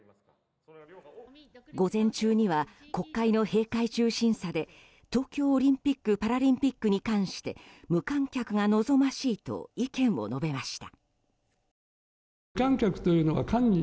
午前中には、国会の閉会中審査で東京オリンピック・パラリンピックに関して無観客が望ましいと意見を述べました。